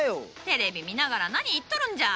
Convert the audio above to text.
テレビ見ながら何言っとるんじゃ！